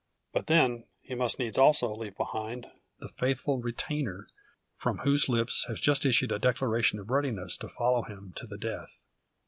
But then, he must needs also leave behind the faithful retainer, from whose lips has just issued a declaration of readiness to follow him to the death.